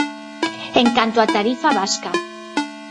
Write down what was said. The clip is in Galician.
En canto á tarifa vasca.